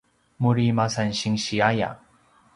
muri masan sinsi aya